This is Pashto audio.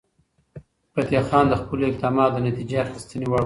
فتح خان د خپلو اقداماتو د نتیجه اخیستنې وړ و.